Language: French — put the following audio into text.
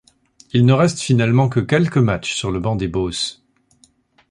Il ne reste finalement que quelques matchs sur le banc des Bohs.